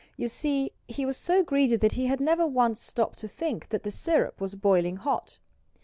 You see he was so greedy that he had never once stopped to think that the syrup was boiling hot.